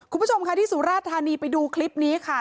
คุณผู้ชมค่ะที่สุราธานีไปดูคลิปนี้ค่ะ